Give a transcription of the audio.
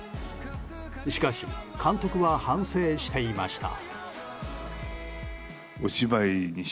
しかし監督は反省していました。